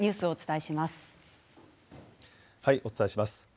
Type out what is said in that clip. お伝えします。